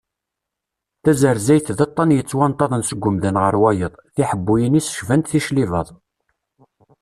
Tazarzayt d aṭan yettwanṭaḍen seg umdan ɣer wayeḍ, tiḥebuyin-is cbant ticlibaḍ.